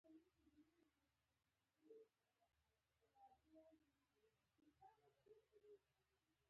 وس خلک ځنګلونه په پیټررولي ارو پیرکوی